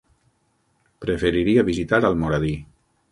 Preferiria visitar Almoradí.